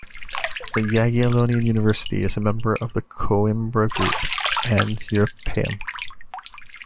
The Jagiellonian University is a member of the Coimbra Group and Europaeum.